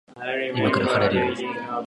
今から晴れるよ